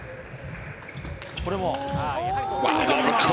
これも。